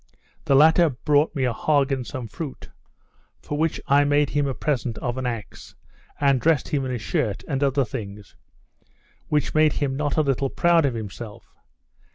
The latter brought me a hog and some fruit; for which I made him a present of an axe, and dressed him in a shirt, and other things, which made him not a little proud of himself.